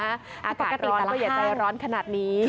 อากาศร้อนเราอย่าใจร้อนขนาดนี้